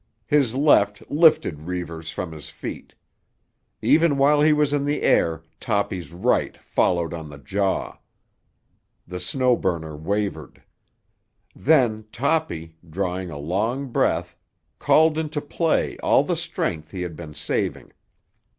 His left lifted Reivers from his feet. Even while he was in the air, Toppy's right followed on the jaw. The Snow Burner wavered. Then Toppy, drawing a long breath, called into play all the strength he had been saving.